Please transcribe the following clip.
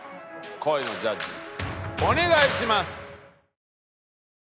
恋のジャッジお願いします！